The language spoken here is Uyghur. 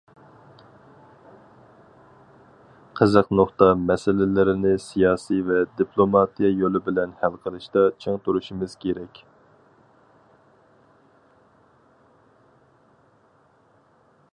قىزىق نۇقتا مەسىلىلىرىنى سىياسىي ۋە دىپلوماتىيە يولى بىلەن ھەل قىلىشتا چىڭ تۇرۇشىمىز كېرەك.